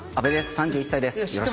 ３１歳です。